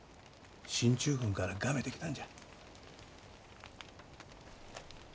進駐軍からがめてきたんじゃ。